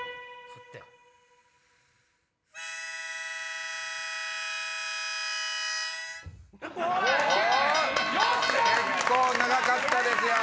結構長かったですよ。